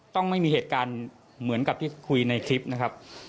ต้องไม่มีเหตุการณ์เหมือนกับที่คุยในคลิปนะครับ